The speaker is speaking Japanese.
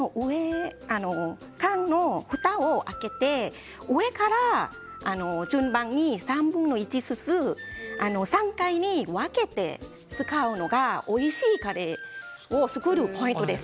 缶のふたを開けて上から順番に３分の１ずつ３回に分けて使うのがおいしいカレーを作るポイントです。